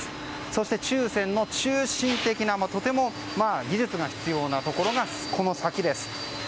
そして注染の中心的なとても技術が必要なところがこの先です。